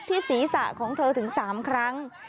ศีรษะของเธอถึง๓ครั้ง